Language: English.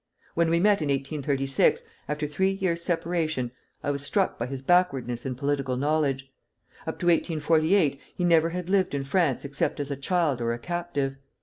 When we met in 1836, after three years' separation, I was struck by his backwardness in political knowledge. Up to 1848 he never had lived in France except as a child or a captive.